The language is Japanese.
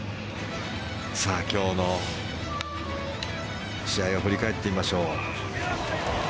今日の試合を振り返ってみましょう。